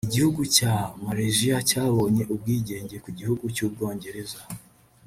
Igihugu cya Malaysia cyabonye ubwigenge ku gihugu cy’ubwongereza